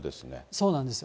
そうなんですよ。